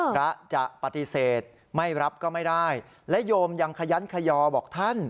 พระจะปฏิเสธไม่รับก็ไม่ได้และโยมยังขยันขยอบอกท่าน